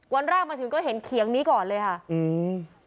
วันแรกมาถึงก็เห็นเขียงนี้ก่อนเลยค่ะอืม